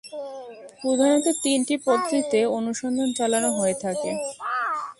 প্রধানত তিনটি পদ্ধতিতে অনুসন্ধান চালানো হয়ে থাকে।